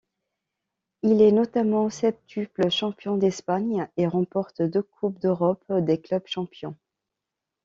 Il est notamment septuple champion d'Espagne et remporte deux Coupes d'Europe des clubs champions.